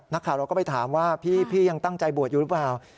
นักข่าวเราก็ไปถามว่าพี่ยังตั้งใจบวชอยู่หรือเปล่า